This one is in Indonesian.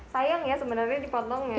sayang ya sebenarnya dipotongnya